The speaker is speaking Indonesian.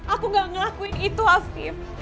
aku gak ngelakuin itu aktif